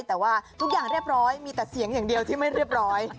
แต่ว่าทุกอย่างเรียบร้อยมีแต่เสียงอย่างเดียวที่ไม่เรียบร้อย